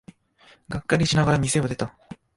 がっかりしながら店を出た。